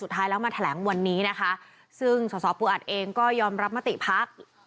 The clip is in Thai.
สุดท้ายแล้วมาแถลงวันนี้ซึ่งศศปุอัตย์เองก็ยอมรับมาติพักษ์